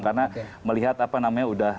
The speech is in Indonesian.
karena melihat sudah